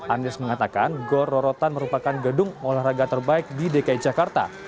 anies mengatakan gor rorotan merupakan gedung olahraga terbaik di dki jakarta